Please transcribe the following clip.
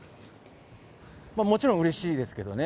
もちろんうれしいですけどね。